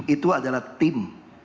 itu adalah tim